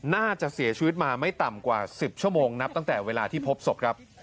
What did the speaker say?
น่าจะเสียชีวิตมาไม่ต่ำกว่า๑๐ชั่วโมงนับตั้งแต่เวลาที่พบศพครับ